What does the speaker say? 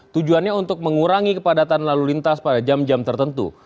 tujuannya untuk mengurangi kepadatan lalu lintas pada jam jam tertentu